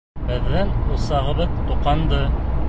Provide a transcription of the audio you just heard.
Беҙҙең усағыбыҙ тоҡанды!